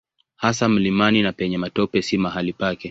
Hasa mlimani na penye matope si mahali pake.